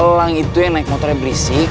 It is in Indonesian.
elang itu yang naik motornya berisik